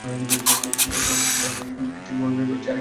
পরশু এসপানিওলের সঙ্গে আবার সেই কীর্তির মহিমা বেড়ে যাচ্ছে আরেকটি কারণে।